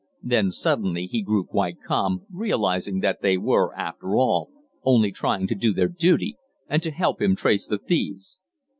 Then suddenly he grew quite calm, realizing that they were, after all, only trying to do their duty and to help him to trace the thieves.